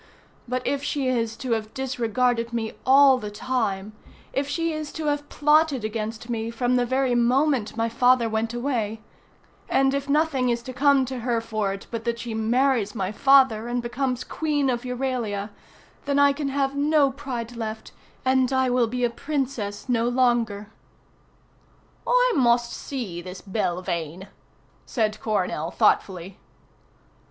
But if she is to have disregarded me all the time, if she is to have plotted against me from the very moment my father went away, and if nothing is to come to her for it but that she marries my father and becomes Queen of Euralia, then I can have no pride left, and I will be a Princess no longer." "I must see this Belvane," said Coronel thoughtfully.